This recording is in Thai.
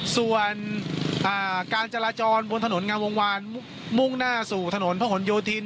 ส่วนการจราจรบนถนนงามวงวานมุ่งหน้าสู่ถนนพระหลโยธิน